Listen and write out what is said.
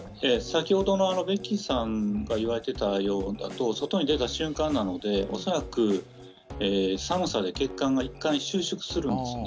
ベッキーさんが言われたようなのは外に出た瞬間なので恐らく寒さで血管がいったん収縮するんですね。